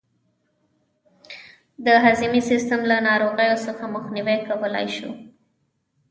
د هضمي سیستم له ناروغیو څخه مخنیوی کولای شو.